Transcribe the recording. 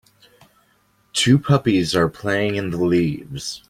Two puppies are playing in the leaves.